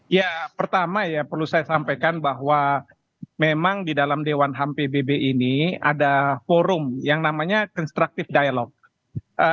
ya pertama ya perlu saya sampaikan bahwa memang di dalam dewan ham pbb ini ada forum yang namanya constructive dialogue